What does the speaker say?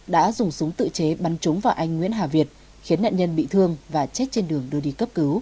đã dùng súng tự chế bắn trúng vào anh nguyễn hà việt khiến nạn nhân bị thương và chết trên đường đưa đi cấp cứu